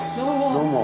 どうも。